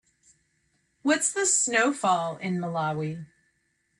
What's the snowfall in Malawi?